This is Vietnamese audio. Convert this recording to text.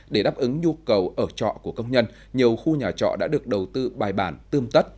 để đáp ứng nhu cầu ở trọ của công nhân nhiều khu nhà trọ đã được đầu tư bài bản tươm tất